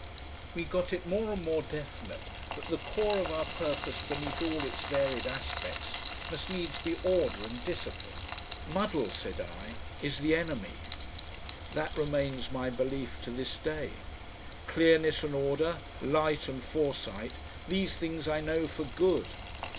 We got it more and more definite that the core of our purpose beneath all its varied aspects must needs be order and discipline. "Muddle," said I, "is the enemy." That remains my belief to this day. Clearness and order, light and foresight, these things I know for Good.